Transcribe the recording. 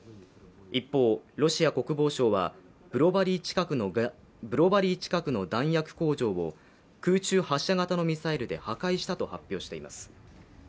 一方、ロシア国防省はブロバリー近くの弾薬工場を空中発射型のミサイルで破壊したと発表しています。